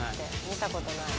見たことない。